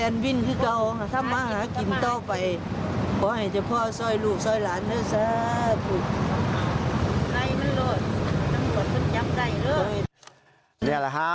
นี่แหละฮะ